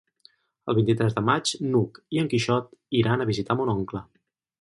El vint-i-tres de maig n'Hug i en Quixot iran a visitar mon oncle.